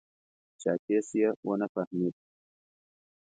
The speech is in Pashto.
چاکېس یې و نه فهمېد.